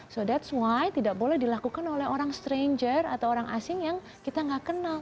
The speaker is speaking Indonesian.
so ⁇ thats ⁇ why tidak boleh dilakukan oleh orang stranger atau orang asing yang kita nggak kenal